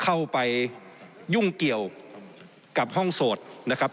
เข้าไปยุ่งเกี่ยวกับห้องโสดนะครับ